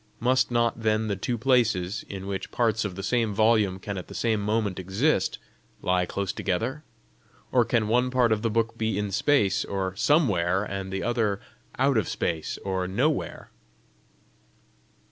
Must not then the two places, in which parts of the same volume can at the same moment exist, lie close together? Or can one part of the book be in space, or SOMEWHERE, and the other out of space, or NOWHERE?"